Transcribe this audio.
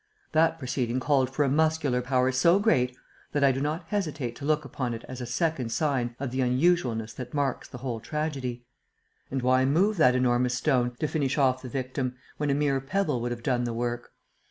That proceeding called for a muscular power so great that I do not hesitate to look upon it as a second sign of the unusualness that marks the whole tragedy. And why move that enormous stone, to finish off the victim, when a mere pebble would have done the work?